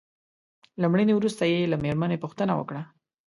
له مړینې وروسته يې له مېرمنې پوښتنه وکړه.